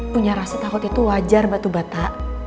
punya rasa takut itu wajar batu batak